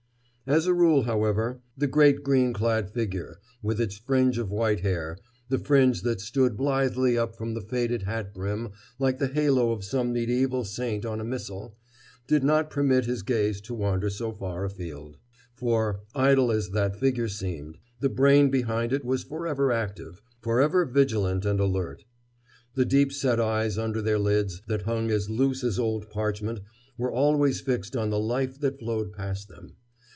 As a rule, however, the great green clad figure with its fringe of white hair—the fringe that stood blithely out from the faded hat brim like the halo of some medieval saint on a missal—did not permit his gaze to wander so far afield. For, idle as that figure seemed, the brain behind it was forever active, forever vigilant and alert. The deep set eyes under their lids that hung as loose as old parchment were always fixed on the life that flowed past them.